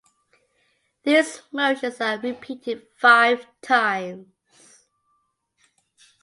These motions are repeated five times.